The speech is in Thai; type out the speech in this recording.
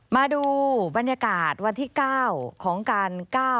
มาดูบรรยากาศวันที่๙ของการ๙